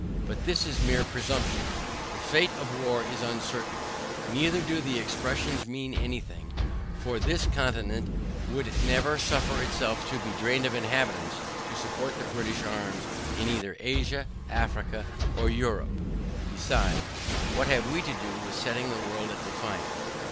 But this is mere presumption; the fate of war is uncertain, neither do the expressions mean any thing; for this continent would never suffer itself to be drained of inhabitants, to support the British arms in either Asia, Africa, or Europe. Besides, what have we to do with setting the world at defiance?